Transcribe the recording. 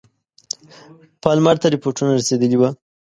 پالمر ته رپوټونه رسېدلي وه.